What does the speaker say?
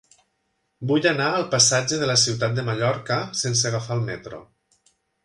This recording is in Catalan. Vull anar al passatge de la Ciutat de Mallorca sense agafar el metro.